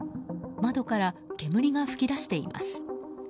窓から煙が噴き出しています。